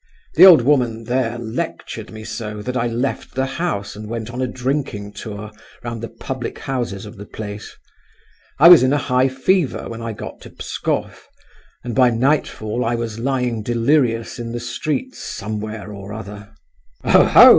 The old woman there lectured me so that I left the house and went on a drinking tour round the public houses of the place. I was in a high fever when I got to Pskoff, and by nightfall I was lying delirious in the streets somewhere or other!" "Oho!